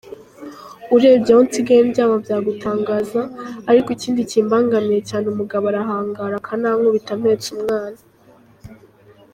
Urebye aho nsigaye ndyama byagutangaza, ariko ikindi kimbangamiye cyane umugabo arahangara akanankubita mpetse umwana.